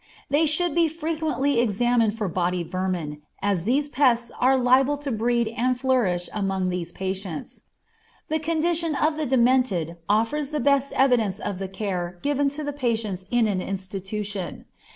They should be frequently examined for body vermin, as these pests are liable to breed and flourish among these patients. The condition of the demented affords the best evidence of the care given to the patients in an institution.